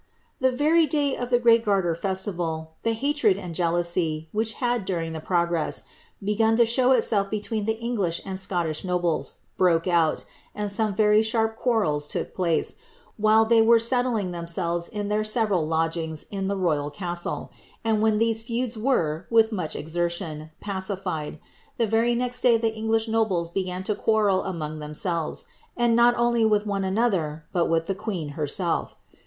The very day of the great Garter festival, the hatred and jealousy, which had, during the progress, begun to show itself between the Eng lish and Scottish nobles, broke out, and some very sharp quarrels took place, while they were settling themselves in their several lodgings in the royal castle ; and when these feuds were, with much exertion, paci fied, the very next day the English nobles began to quarrel among them selves, and not only with one another, but with the queen herself.